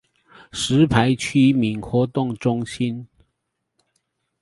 石牌區民活動中心